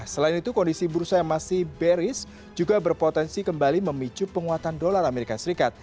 selain itu kondisi bursa yang masih bearish juga berpotensi kembali memicu penguatan dolar as